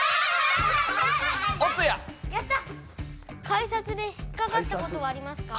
改札で引っかかったことはありますか？